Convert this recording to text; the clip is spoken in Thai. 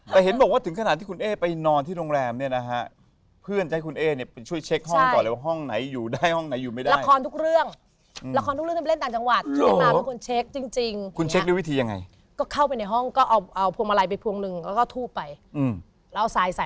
แต่เห็นบอกว่าถึงขนาดที่คุณเอ๊ยไปนอนที่โรงแรมเนี่ยนะคะเพื่อนจะให้คุณเอ๊ยเนี่ยไปช่วยเช็คห้องต่อเลยว่าห้องไหนอยู่ได้ห้องไหนอยู่ไม่ได้